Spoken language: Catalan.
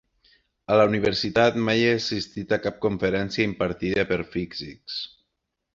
A la Universitat mai he assistit a cap conferència impartida per físics.